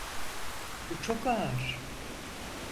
Bu çok ağır.